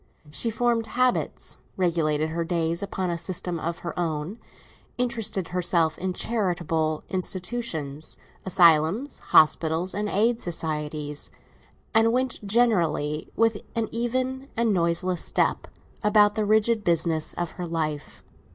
She formed habits, regulated her days upon a system of her own, interested herself in charitable institutions, asylums, hospitals, and aid societies; and went generally, with an even and noiseless step, about the rigid business of her life.